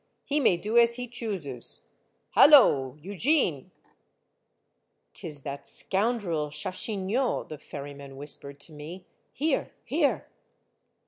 He may do as he chooses. Hallo !— Eugene !"" 'T is that scoundrel, Chachignot," the ferry man whispered to 'me. " Here ! here